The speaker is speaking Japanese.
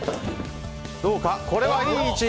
これはいい位置。